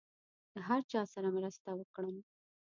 له هر چا سره مرسته وکړم.